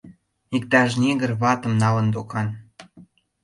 Иктаж негр ватым налын докан?